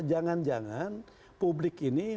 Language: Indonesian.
jangan jangan publik ini